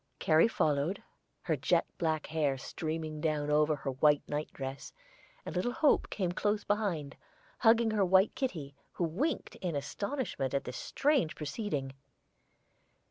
Carrie followed, her jet black hair streaming down over her white night dress, and little Hope came close behind, hugging her white kitty, who winked in astonishment at this strange proceeding.